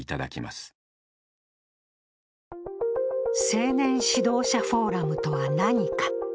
青年指導者フォーラムとは何か？